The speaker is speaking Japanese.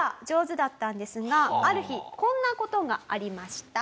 ある日こんな事がありました。